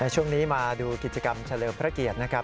ช่วงนี้มาดูกิจกรรมเฉลิมพระเกียรตินะครับ